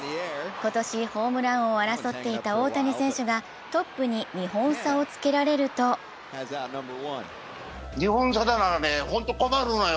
今年ホームラン王を争っていた大谷選手がトップに２本差をつけられると２本差なら、本当困るのよ。